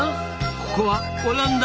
ここはオラんだ！」